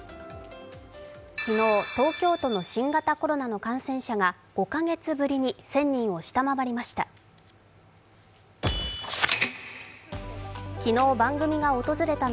昨日、東京都の新型コロナの感染者が５カ月ぶりに１０００人を下回りました。